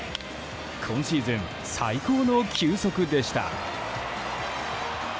今シーズン最速の球速でした。